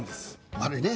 悪いね。